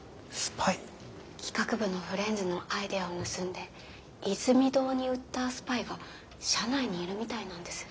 企画部のフレンズのアイデアを盗んでイズミ堂に売ったスパイが社内にいるみたいなんです。